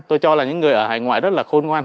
tôi cho là những người ở hải ngoại rất là khôn ngoan